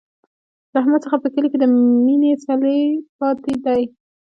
له احمد څخه په کلي کې د مینې څلی پاتې دی.